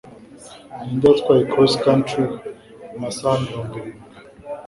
ninde watwaye crosscountry amasaha mirongo irindwi